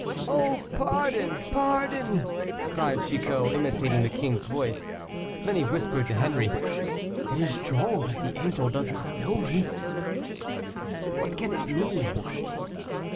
"Oh! pardon! pardon!" cried Chicot, imitating the king's voice. Then he whispered to Henri, "It is droll that the angel does not know me." "What can it mean?"